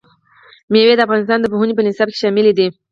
مېوې د افغانستان د پوهنې په نصاب کې شامل دي.